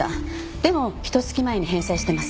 でもひと月前に返済してます。